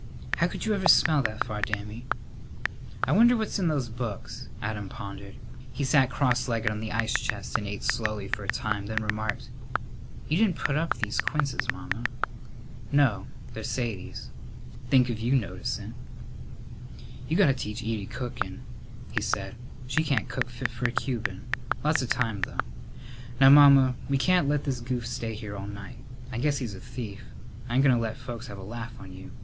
"How could you ever smell that far, Dammy?" "I wonder what's in those books?" Adam pondered. He sat cross legged on the ice chest and ate slowly for a time, then remarked, "You didn't put up these quinces, Mamma." "No; they're Sadie's. Think of your noticin'!" "You got to teach Edie cookin'," he said. "She can't cook fit for a Cuban. Lots of time, though. Now, Mamma, we can't let this goof stay here all night. I guess he's a thief. I ain't goin' to let the folks have a laugh on you.